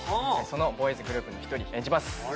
そのボーイズグループの１人演じます